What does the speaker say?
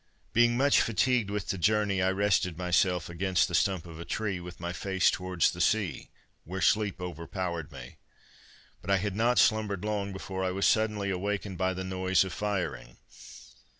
Being much fatigued with the journey, I rested myself against the stump of a tree, with my face towards the sea, where sleep overpowered me. But I had not slumbered long before I was suddenly awakened by the noise of firing.